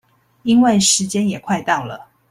因為時間也快到了